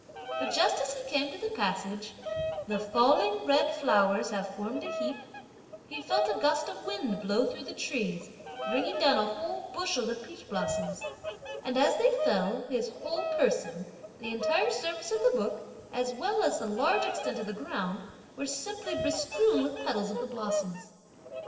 But just as he came to the passage: "the falling red (flowers) have formed a heap," he felt a gust of wind blow through the trees, bringing down a whole bushel of peach blossoms; and, as they fell, his whole person, the entire surface of the book as well as a large extent of ground were simply bestrewn with petals of the blossoms.